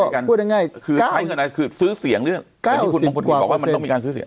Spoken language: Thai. คือซื้อเสียงหรืออะไร